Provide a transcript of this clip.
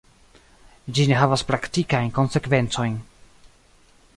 Ĝi ne havas praktikajn konsekvencojn.